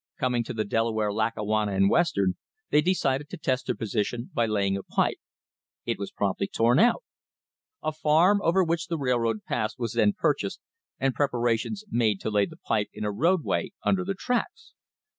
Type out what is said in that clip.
Coming to the Delaware, Lackawanna and Western, they decided to test their position by laying a pipe. It was promptly torn out. A farm over which the railroad passed was then purchased and preparations made to lay the pipe in a roadway under the tracks.